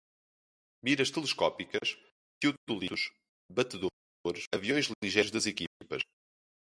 Miras telescópicas, teodolitos, batedores, aviões ligeiros das equipas